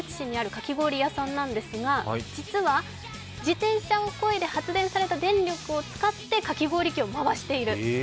かき氷屋さんなんですが、実は自転車をこいで発電された電力を使ってかき氷器を回している。